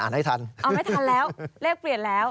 เอาไม่ทันแล้วเลขเปลี่ยนแล้ว